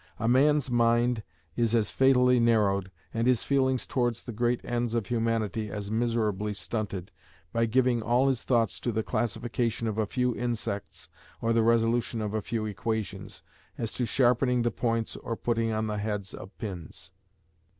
A man's mind is as fatally narrowed, and his feelings towards the great ends of humanity as miserably stunted, by giving all his thoughts to the classification of a few insects or the resolution of a few equations, as to sharpening the points or putting on the heads of pins.